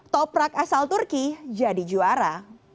toprak asal turki jadi juara